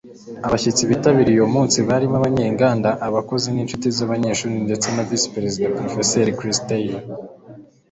Abashyitsi bitabiriye uwo munsi barimo abanyenganda, abakozi, n'inshuti z'abanyeshuri ndetse na Visi Perezida, Porofeseri Chris Taylor.